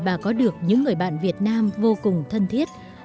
vẫn được người việt nam giữ và phát huy